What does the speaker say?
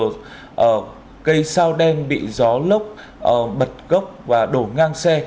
cây sao đen bị gió lốc bật gốc và đổ ngang xe